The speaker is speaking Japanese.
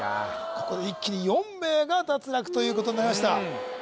ここで一気に４名が脱落ということになりました